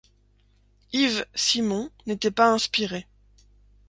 Yves Simon, n'était pas inspiré.